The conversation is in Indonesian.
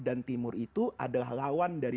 dan timur itu adalah lawan dari